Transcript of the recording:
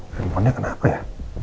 teleponnya kenapa ya